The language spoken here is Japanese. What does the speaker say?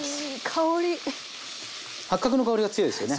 八角の香りが強いですよね。